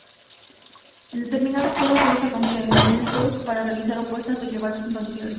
En determinados juegos se usan complementos para realizar apuestas o llevar puntuaciones.